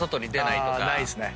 ないですね。